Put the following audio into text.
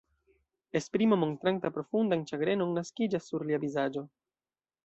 Esprimo, montranta profundan ĉagrenon, naskiĝas sur lia vizaĝo.